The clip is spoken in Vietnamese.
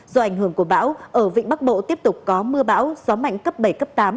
do ảnh hưởng của bão ở vịnh bắc bộ tiếp tục có mưa bão gió mạnh cấp bảy cấp tám